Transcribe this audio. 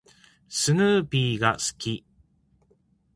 スヌーピーが好き。